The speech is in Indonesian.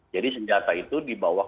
jadi senjata itu dibawah